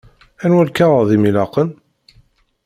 Anwa lkaɣeḍ i m-ilaqen?